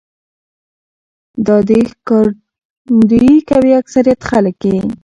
دا دې ښکارنديي کوي اکثريت خلک يې